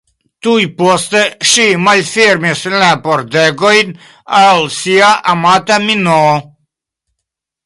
Tuj poste, ŝi malfermis la pordegojn al sia amata Minoo.